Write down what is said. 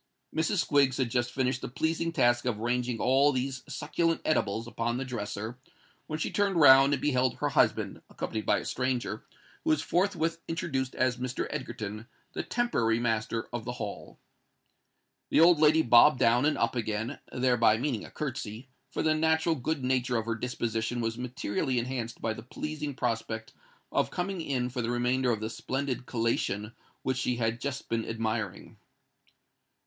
Mrs. Squiggs had just finished the pleasing task of ranging all these succulent edibles upon the dresser, when she turned round and beheld her husband, accompanied by a stranger, who was forthwith introduced as Mr. Egerton, the temporary master of the Hall. The old lady bobbed down and up again—thereby meaning a curtsey; for the natural good nature of her disposition was materially enhanced by the pleasing prospect of coming in for the remainder of the splendid collation which she had just been admiring.